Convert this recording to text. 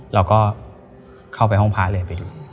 เราก็เข้าไปห้องพระเลยไปดู